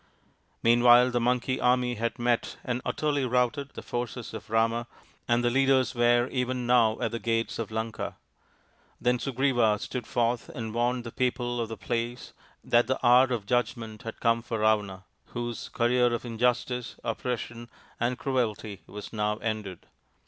Meanwhile the Monkey army had met and utterly outed the forces of Ravana, and the leaders were ven now at the gates of Lanka. Then Sugriva tood forth and warned the people of the place that he hour of judgment had come for Ravana, whose :areer of injustice, oppression, and cruelty was now sided.